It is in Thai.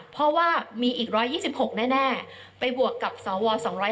เพราะว่ามีอีก๑๒๖แน่ไปบวกกับสว๒๕๖